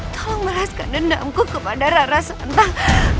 tolong merahaskan dendamku kepada rara santang